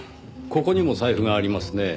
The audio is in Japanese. ここにも財布がありますねぇ。